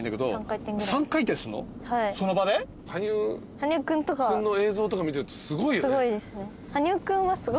羽生君の映像とか見てるとすごいよね。